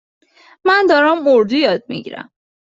من دارم اردو یاد می گیرم.